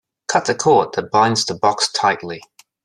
Cut the cord that binds the box tightly.